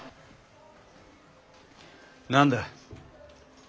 何だ？